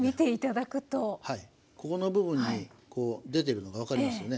ここの部分に出ているのが分かりますよね。